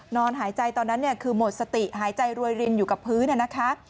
นอนหายใจตอนนั้นคือหมดสติหายใจรวยรินอยู่กับพื้นนะคะ